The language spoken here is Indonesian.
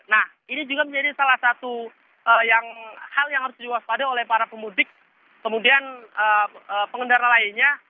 nah ini juga menjadi salah satu hal yang harus diwaspadai oleh para pemudik kemudian pengendara lainnya